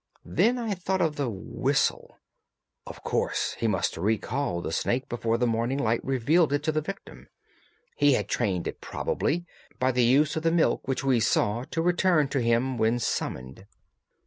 Then I thought of the whistle. Of course he must recall the snake before the morning light revealed it to the victim. He had trained it, probably by the use of the milk which we saw, to return to him when summoned.